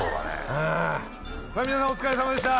さあ皆さんお疲れさまでした。